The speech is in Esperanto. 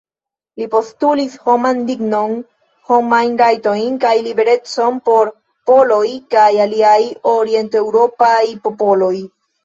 Li postulis homan dignon, homajn rajtojn kaj liberecon por poloj kaj aliaj orienteŭropaj popoloj.